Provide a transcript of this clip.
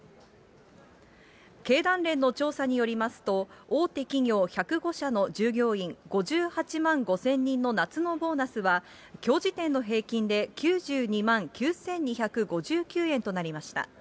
経団連の調査によりますと、大手企業１０５社の従業員、５８万５０００人の夏のボーナスはきょう時点の平均で、９２万９２５９円となりました。